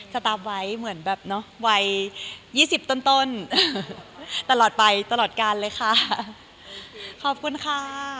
ตาร์ฟไว้เหมือนแบบเนอะวัยยี่สิบต้นต้นตลอดไปตลอดการเลยค่ะขอบคุณค่ะ